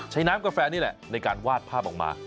น้ำกาแฟนี่แหละในการวาดภาพออกมา